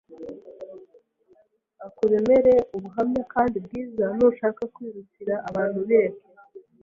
akuremere ubuhamya kandi bwiza, nushaka kwirukira abantu bireke,